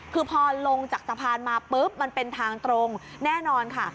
คือพอลงจากสะพานมาปุ๊บมันเป็นทางตรงแน่นอนค่ะ